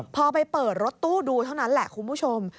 พอไปเปิดรถตู้ดูเท่านั้นแหละคุณผู้ชม